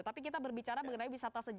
tapi kita berbicara mengenai wisata sejarah